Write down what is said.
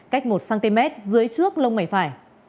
cách một cm dưới trước lông mẩy phải